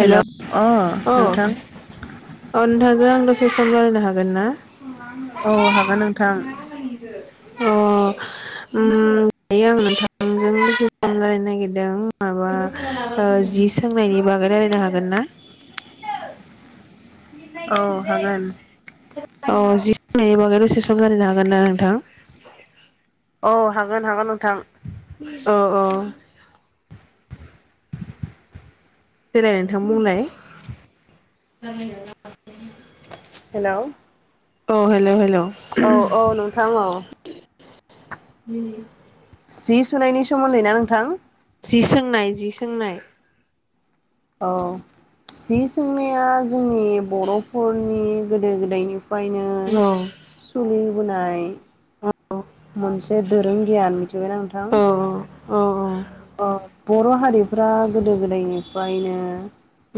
हेल' अ औ नोंथां औ नोंथांजों आं दसे दसे सम रायज्लायनो हागोन ना? औ हागोन नोंथां। अ उम दायो आं नोंथांजों दसे सम रायलायनो नागिरदों। माबा ओ जि सोंनायनि बागै रायलायनो हागोन ना औ हागोन औ जि सोंनायनि बागै दसे सम रायलायनो हागोन ना नोंथां। औ हागोन हागोन नोंथां। औ औ देलाय नोंथां बुंलाय हेल' अ हेल' हेल' औ औ नोंथां औ मिनि जि सुनायनि सोमोन्दै ना नोंथां जि सोंनाय जि सोंनाय औ जि सोंनाया जोंनि बर'फोरनि गोदो गोदायनि फ्रायनो औ सलि बुंनाय मोनसे दोरों गियान मिथिबायना नोंथां औ औ अ बर' हारिफ्रा गोदो गोदायनिफ्रायनो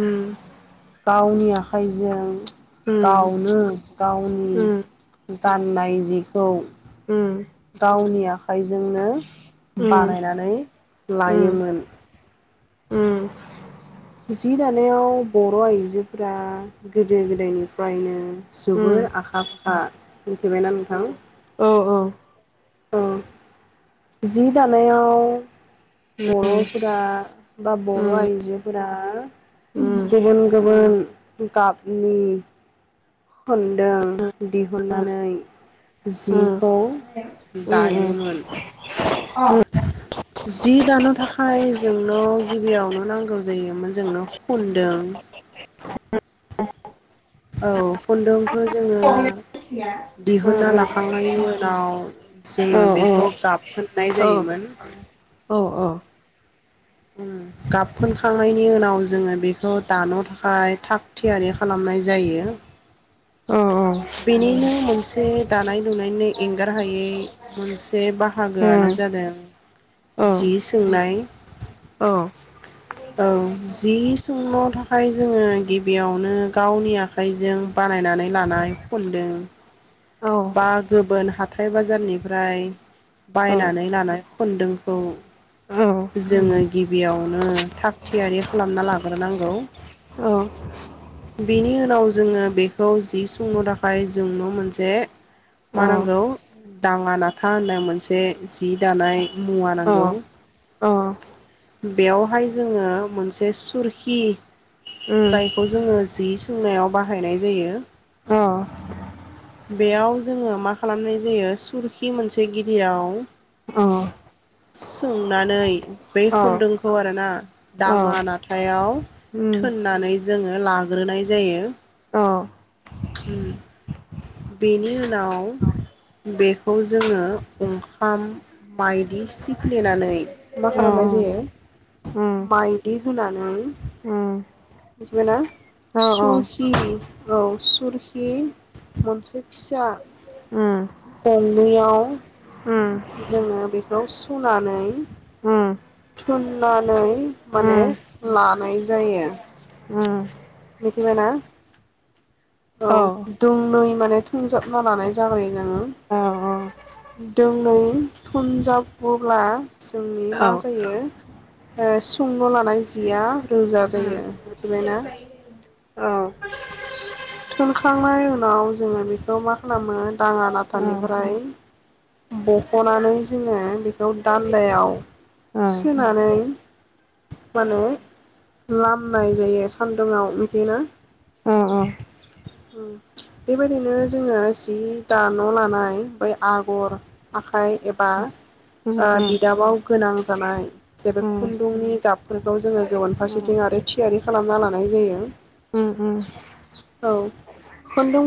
उम गावनिया आखाइजों उम गावनो उम गावनि गाननाय जिखौ ओ गावनि आखाइजोंनो उम बानायनानै उम लायोमोन उम जि दानायाव बर' आइजोफोरा गोदो गोदायनिफ्रायनो उम जोबोर आखा हा मिथिबायना नोंथां औ औ औ जि दानायाव बर'फोरा बा बर' आइजोफोरा गुबुन गुबुन गाबनि खोनदों दिहुननानै जिखौ दायोमोन जि दानो थाखाय जोंनो गिबियावनो नांगौ जायोमोन जोंनो खुनदों। औ खुन्दुंखौ जोङो दिहुनना लाखांनायनि उनाव जोङो बेखौ गाब फोननाय जायोमोन। गाब फोनखांनायनि उनाव जोङो बेखौ दानो थाखाय थाग थियारि खालामनाय जायो। बेनिनो मोनसे दानाय लुनायनि एंगार हायै मोनसे बाहागोआनो जादों जि सोंनाय औ जि सोंनो थाखाय जोङो गिबियावनो गावनि आखाइजों बानायनानै लानाय खनदों बा गुबोन हाथाय बाजारनिफ्राय बायनानै लानाय खुन्दुंखौ जोङो गिबियावनो थाग थियारि खालामना लाग्रोनांगौ बेनि उनाव जोङो बेखौ जि सुंनो थाखाय जों न' मोनसे मा नांगौ दाङा नाथा होननाय मोनसे जि दानाय मुवा नांगौ। बेयावहाय जोङो मोनसे सुरखि जायखौ जोङो जि सोंनायाव बाहायनाय जायो बेयाव जोंङो मा खालामनाय जायो थुरखि मोनसे गिदिआव सोंनानै बे खुन्दुंखौ आरो ना। दाङा नाथायाव थोननानै जोङो लाग्रोनाय जायो। बेनि उनाव बेखौ जोङो ओंखाम माइदि सिफ्लेनानै मा खालामनाय जायो माइदि होनानै मिथिबाय ना। सुखि औ। थुरखि मोनसे फिसा उम। मोननैआव उम। जोङो बेखौ सुनानै थुननानै माने मा सनाय जायो। उम। बिदिनो ना। औ दं नै माने थुनजाबना लानाय जाग्रो जङो दोंनै थुनजाबोबब्ला जोंनि मा औ जायो। सुंल' लानाय जिया रोजा औ जायो मिथिबाय ना थोनखांनाय उनाव जोङो बेखौ मा खालामो दाङा नाथानिफ्राय बख'नानै जोङो बेखौ दान्दायाव सोनानै माने लामनाय जायो सान्दुङआव बिदिनो बेबायदिनो जोङो सि दान' लानाय बै आगर आखाइ एबा बिदाबाव गोनां जानाय। जे बे खुन्दुंनि गाब बेखौ जोङो लन फासि बिथिं आरो थियारि खालामना ला हरनाय जायो। औ खुन्दुं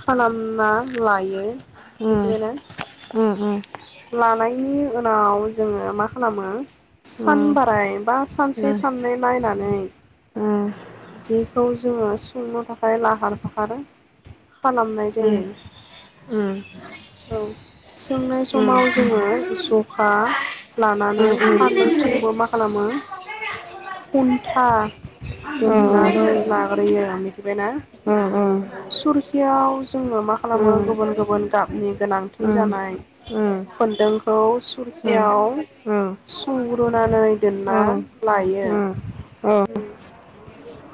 हामा। लायो। मिथिबाय ना। लानायनि उनाव जोङो मा खालामो सान बाराय बा सानसे साननै नै जिखौ जोङो संनो थाखाय लाहार फाहार खालामनाय जायो औ सोंनाय समाव जोङो जखा लानानै फाननैथिंबो मा खालामो खन्था दनानै लाग्रोयो मिथिबायना सुरखियाव जोङो मा खालामो गुबुन गुबुन गाबनि गोनांथि जानाय खुनदुंखौ सुरखियाव सुंग्रुनानै दोनना लायो उम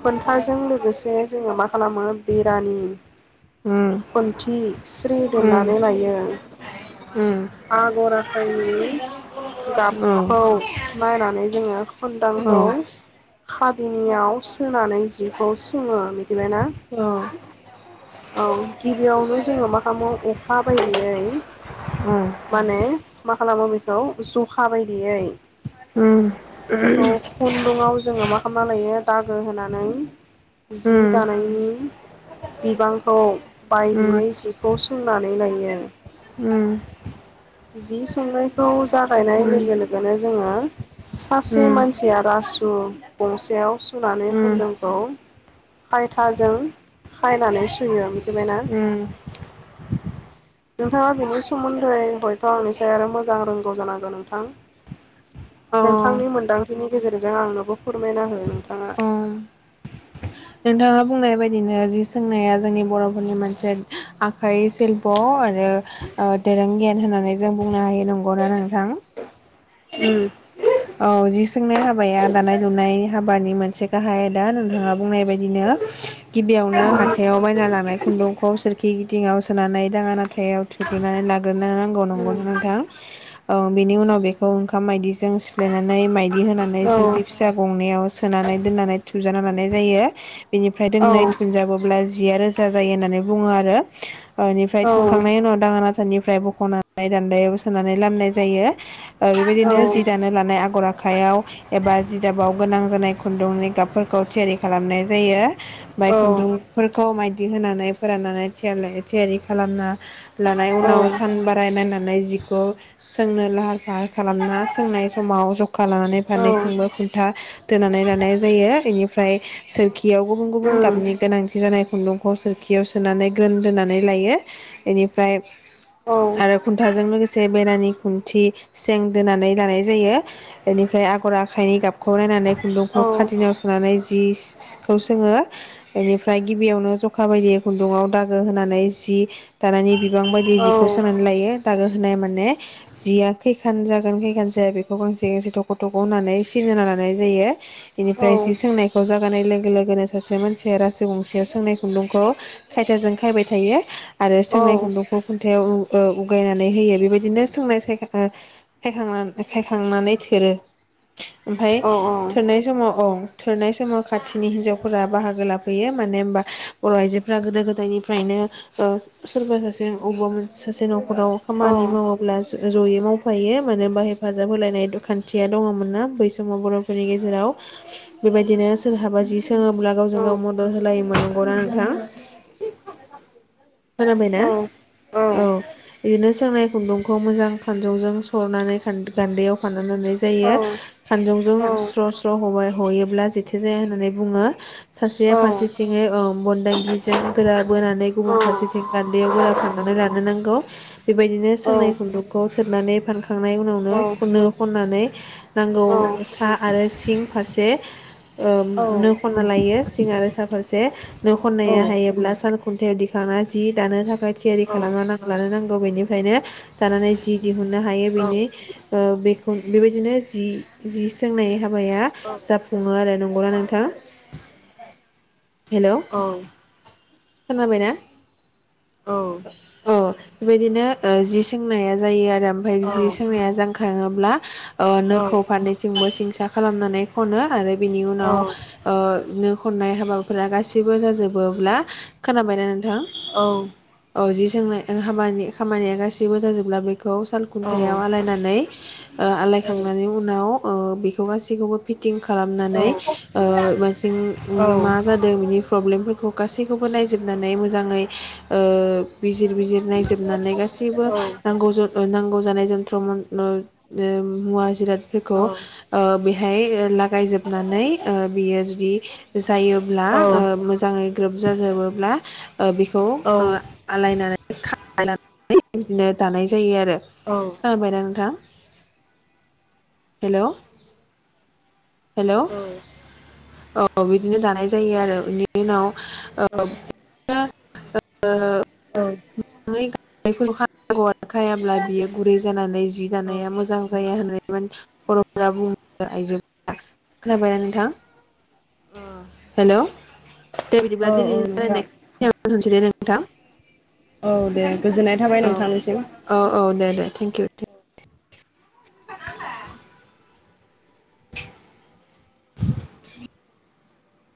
खोनथाजों लोगोसे जोङो मा खालामो बिरानि खुन्थि स्रि दोननानै लायो आगर आखाइनि गाबखौ नायनानै जोङो खुदाम खादिनियाव सोनानै जिखौ सुङो मिथिबायना औ गिबियावनो जोङो मा खालामो अखा बायदियै माने मा खालामो बेखौ जखा बायदियै औ खुन्दुाव जोङो मा खालामना लायो दागो होनानै जि दानायनि बिबांखौ बायदियै जिखौ सुंनानै लायो जि संनायखौ ज फायनाय उम लोगो लोगोनो जोङो सासे उम मानसि रासु गंसेयाव सुनानै उम खुन्दुंखौ खायथाजों खायनानै सुयो मिथिबायना ओम नोंथाङा बिनि सोमोन्दै हयथ' आंनिसाय आरो मोजां रोंगौ जानांगौ नोंथां औ नोंथांनि मोनदांथिनि गेजेरजों आंनोबो फोरमायना हो नोंथाङा ओम नोंथाङा बुंनाय बायदिनो जि सोंनाया जोंनि बर'फोरनि मोनसे आखाइ सिल्प' आरो दोरों गियान होननानै जों बुंनो हायो नोंगौना नोंथां उम औ जि सोंनाय हाबाया दानाय लुनाय हाबानि मोनसे गाहाय दा नोंथाङा बुंनाय बायदिनो गिबियावनो उम हाथायाव बायना लानाय खुन्दुंखौ सोरखि थिङाव सोनानै दाङा नाथायाव थुग्रोननानै लागोन नो नांगौ उम नंगौनो नोंथां औ बेनि उनाव बेखौ ओंखाम बायदिजों लायनानै माइ बिदि होनानै सोरखि उम फिसा गंनायाव सोनानै दोननानै थुनानै लानाय जायो बिनिफ्राय औ दोंनै थुनजाबोब्ला जिया रोजा जायो होननानै बुङो आरो बिनिफ्राय औ थुनखांनायनि उनाव दाङानाथा निफ्राय बख'नाय दान्दायाव सोनानै लामनाय जायो बेबायदिनो जि दानो नाय आगर आखायाव एबा जि दाबाव गोनां जानाय खुन्दुंनि गाबफोरखौ थियारि खालामनाय जायो बाइ औ खुन्दुं फोरखौ मायदि होनानै फोराननानै थियारि लायो थियारि खालामना लानाय औ उनाव उम सान बाराय नायनानै जिखौ सोंनो लाहार फाहार खालामना सोंनाय समाव जखा लानानै फारनैथिंबो खुन्था दोनानै लानाय जायो इनिफ्राय सोरखियाव गुबुन गुबुन गाबनि औ गोनांथि जानाय खुन्दुंखौ सोरखियाव सोनानै ग्रोन दोनानै लायो इनिफ्राय आरो खुन्थाजों लोगोसे बेरानि खुन्थि सें दोनानै लानाय जायो इनिफ्राय आगर आखाइनि गाबखौ नायनानै खुन्दुंखौ औ खादिनायाव सोनानै जिस सिखौ सोङो इनिफ्राय गिबियावनो जखा बायदि खुन्दुाव दागो होनानै जि दानायनि बि गोबां बायदि जिखौ औ सोंनानै लायो दागो होनाय माने जिया खैखान जागोन खैखान जाया बे खौ गांसे गांसे थख' थख' होनानै सिन होना लानाय जायो बिनिफ्राय औ जि सोंनायखौ जों जानाय लोगो लोगोनो सासे मानसिया रासो गंसेयाव सोंनाय खुन्दुंखौ खायथाजों खायबाय थायो आरो औ सोंनाय खुन्दुंखौ खुन्थायाव ओ उगायनानै होयो बेबायदिनो सोंनाय सायथाखो सायखांनानै खायखांनानै थोरो ओमफाय थोरनाय समाव औ थोरनाय समाव खाथिनि हिन्जावफोरा बाहागो लाफैयो माने होनबा बर' आइजोफोरा गोदो गोदायनिफ्रायनो ओ सोरबा सासे अबबा मोन सासे न' खराव खामानि मावोब्ला ज'यै मावफायो मानो होनबा हे फाजाब होलायनाय खान्थिया दङमोन ना बै समाव बर'फोरनि गेजेराव बेबायदिनो सोरहाबा जि सो सोङोब्ला गावजों गाव मदद होलायोमोन नं गौ ना नोंथां खोनाबाय ना औ बिदिनो सोंनाय खुन्दुंखौ मोजां खानजंजों सरनानै खान दानदायाव फान लानानै जायो खानजंजों स्र' स्र' हबाय हयोब्ला जेथो जाया होननानै बुङो सासेया फारसेथिङै औ मोनदांगिजों गोरा बोनानै गुबुन फारसेथिं गान दैयाव गोरा फाननानै लानो नांगौ बेबायदिनो सोंनाय खुन्दुंखौ थोबनानै फानखांनाय उनाव नो खनो खनानै नांगौ सा आरो सिं फारसे ओ नो खननो लायो। सिं आरो सा फारसे नो खननाया हायोब्ला साल खुन्थायाव दि खाङो जि दानो थाखाय थियारि खालामनो नां लानो नांगौ बेनिफ्रायनो दानानै जि दिहुनन्नो हायो बेनि ओ बेखौ बेबायदिनो जि जि सोंनाय हाबाया जाफुङो आरो नंगौ ना नोंथां? हेलौ औ खोनाबायना? औ अ बिदिनो ओ जि सोंनाया जायो आर ओमफाय जि सोंनाया जांखाङोब्ला अ नोखौ फानैैथिंबो सो हिंसा खालामनानै खनो आरो बिनि उनाव ओ नो खननाय हाबाफोरा गासिबो जाजोबोब्ला खोनाबायना नोंथां? औ जि सोंनाय खामानि खामानिया गासैबो जाजोबब्ला बै खौ साल खुन्थायाव आलायनानै [inaudible] ओ आलायखांनानै उनाव अ बिखौ गासैखौबो फिटिं खालामनानै ओ मोनस जों उम मा जादों बिख प्रब्लेमफोरखौ गासैखौबो नायजोबनानै मोजाङै ओ बिजिर बिजिर नायजोबनानै गासैबो नांगौ जन नांगौ जानाय जन्थ्र उम दो मुवा जिरादफोरखौ ओ बेहाय लागायजोबनानै बियो जुदि जायोब ब्ला ओ मोजाङै ग्रोबजाजोबोब्ला ओ बेखौ ओ आलायनानै खांनानै बिदिनो दानाय जायो आरो। [inaudible] दा हेलौ हेलौ औ बिदिनो दानाय जायो आरो बेनि उनाव ओ [unintelligible] औ [unintelligible] बियो गुरै जानानै जि दानाया मोजां जाया होननानैब बर'फोरा बुङोमोन आइजोफोरा खोनाबायना नोंथां हेलौ दे बिदिबा दिनैनि नोंथां रायलायनायखौ बिखिनियावनो [unintelligible] नोंथां औ दे गोजोननाय थाबाय औ नोंथांनिसिम। औ औ दे दे थेंक इउ